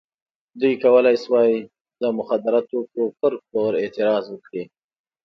دوی کولای شوای د مخدره توکو په پلور اعتراض وکړي.